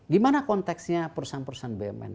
gimana konteksnya perusahaan perusahaan bumn